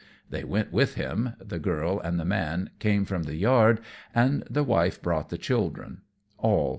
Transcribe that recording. They went with him; the girl and the man came from the yard, and the wife brought the children.